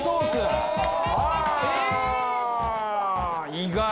「意外！」